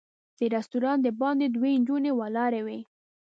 د رسټورانټ د باندې دوه نجونې ولاړې وې.